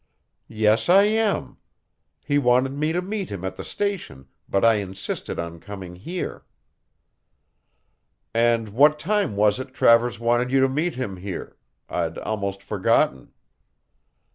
"Yes, I am. He wanted me to meet him at the station, but I insisted on coming here." "And what time was it Travers wanted you to meet him here? I'd almost forgotten."